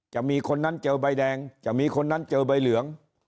จะมีคนนั้นเจอใบแดงจะมีคนนั้นเจอใบเหลือง